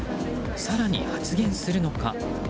更に発言するのか。